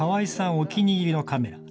お気に入りのカメラ。